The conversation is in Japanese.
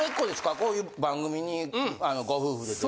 こういう番組にご夫婦で出るって。